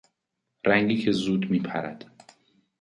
رنگی که زود میپرد